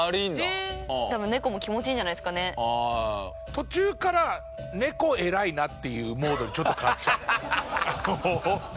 途中から猫偉いなっていうモードにちょっと変わってきたね。